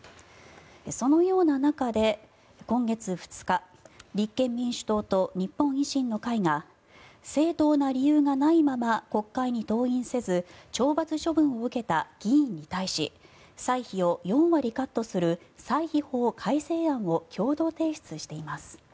そのような中で今月２日立憲民主党と日本維新の会が正当な理由がないまま国会に登院せず懲罰処分を受けた議員に対し歳費を４割カットする歳費法改正案を共同提出しています。